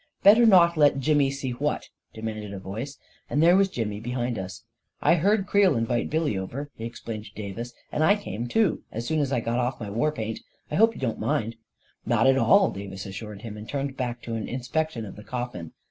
" Better not let Jimmy see what? " demanded a voice, and there was Jimmy behind us. " I heard Creel invite Billy over," he explained to Davis, " and I came too, as soon as I got off my war paint. I hope you don't mind ?"" Not at all," Davis assured him, and turned back to an inspection of the coffin.